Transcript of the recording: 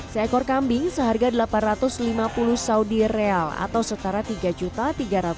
seekor kambing seharga delapan ratus lima puluh saudi real atau setara tiga tiga ratus